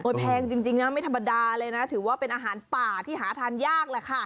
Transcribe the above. แพงจริงนะไม่ธรรมดาเลยนะถือว่าเป็นอาหารป่าที่หาทานยากแหละค่ะ